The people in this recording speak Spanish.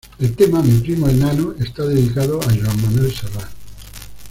El tema "Mi primo el Nano" está dedicado a Joan Manuel Serrat.